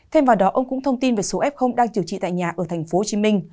thêm vào đó ông cũng thông tin về số f đang điều trị tại nhà ở tp hcm